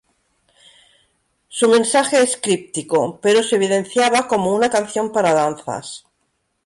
Su mensaje es críptico, pero se evidenciaba como una canción para danzas.